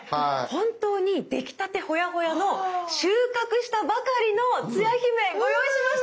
本当に出来たてホヤホヤの収穫したばかりのつや姫ご用意しました！